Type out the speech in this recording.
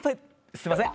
すみません。